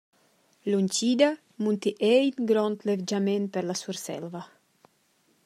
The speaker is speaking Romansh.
L’untgida munti era in grond levgiament per la Surselva.